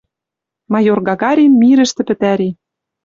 Майор Гагарин мирӹштӹ пӹтӓри